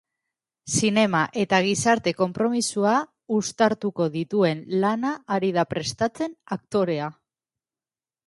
Zinema eta gizarte konpromisoa uztartuko dituen lana ari da prestatzen aktorea.